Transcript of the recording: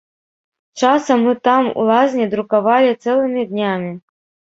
Часам мы там у лазні друкавалі цэлымі днямі.